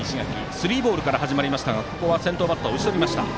スリーボールから始まりましたがここは先頭バッターを打ち取りました。